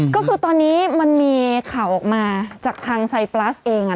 ก็คือตอนนี้มันมีข่าวออกมาจากทางไซปลัสเอง